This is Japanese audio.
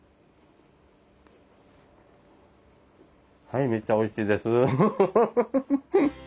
はいめっちゃおいしいです。